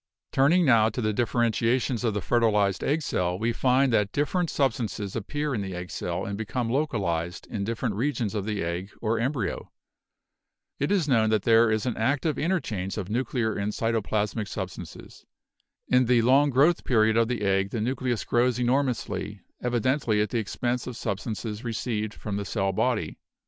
"Turning now to the differentiations of the fertilized egg cell, we find that different substances appear in the egg cell and become localized in different regions of the egg or embryo. It is known that there is an active inter change of nuclear and cytoplasmic substances. In the long growth period of the egg the nucleus grows enormously, evidently at the expense of substances received from the cell body.